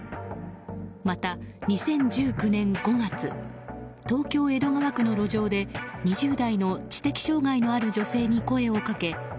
また２０１９年５月東京・江戸川区の路上で２０代の知的障害のある女性に声をかけ